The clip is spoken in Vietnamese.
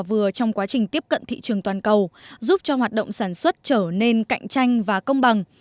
các doanh nghiệp vừa trong quá trình tiếp cận thị trường toàn cầu giúp cho hoạt động sản xuất trở nên cạnh tranh và công bằng